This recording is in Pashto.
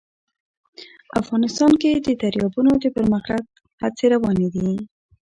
افغانستان کې د دریابونه د پرمختګ هڅې روانې دي.